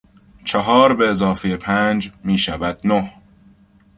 چهار به اضافهی پنج میشود نه.